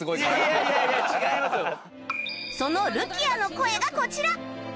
そのルキアの声がこちら